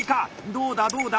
どうだどうだ？